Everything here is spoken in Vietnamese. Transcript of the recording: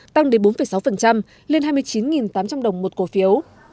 tăng đến bốn sáu lên hai mươi chín tám trăm linh đồng một cổ phiếu